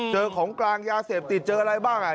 เจอของกลางยาเสพติดเจออะไรบ้าง